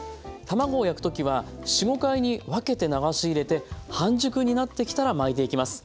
卵を焼く時は４５回に分けて流し入れて半熟になってきたら巻いていきます。